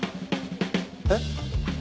えっ！？